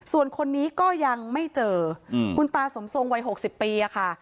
ส่วนคนนี้ก็ยังไม่เจอคุณตาสมทรงวัย๖๐ปีค่ะ